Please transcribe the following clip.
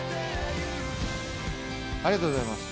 ありがとうございます。